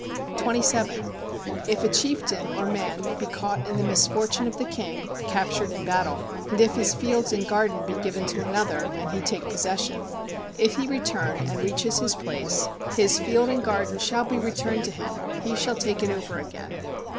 27. If a chieftain or man be caught in the misfortune of the king [captured in battle], and if his fields and garden be given to another and he take possession, if he return and reaches his place, his field and garden shall be returned to him, he shall take it over again.